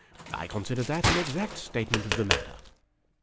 I consider that an exact statement of the matter."